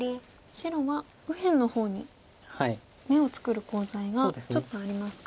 白は右辺の方に眼を作るコウ材がちょっとありますか。